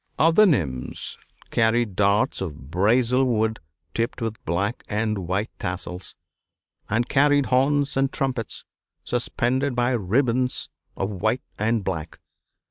Other nymphs carried darts of Brazil wood tipped with black and white tassels, and carried horns and trumpets suspended by ribbons of white and black.